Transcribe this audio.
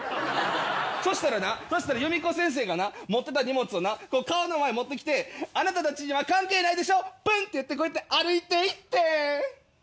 そしたらなユミコ先生がな持ってた荷物をな顔の前持ってきて「あなたたちには関係ないでしょぷん！」って言ってこうやって歩いていってん。